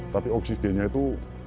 tapi oksigennya itu